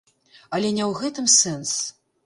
Але не ў гэтым сэнс.